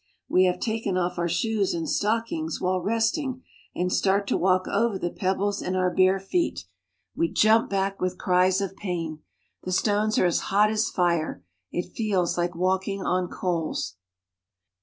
We have taken off our shoes and stockings while resting, and start to walk over the pebbles in our bare feet. We jump back with cries of pain. The stones are as hot as fire ; it feels like walking on coals.